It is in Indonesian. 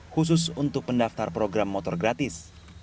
khusus untuk pendaftar program motor gratis